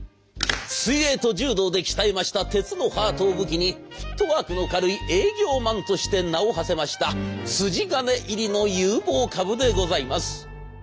水泳と柔道で鍛えました鉄のハートを武器にフットワークの軽い営業マンとして名をはせました筋金入りの有望株でございます。